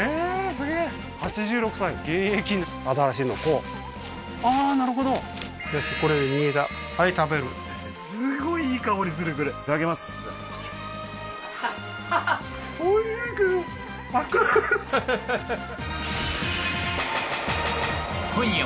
すげえ８６歳現役新しいのこうああーなるほどよしこれで煮えたはい食べるすごいいい香りするこれいただきますははっおいしいけど熱いははははっ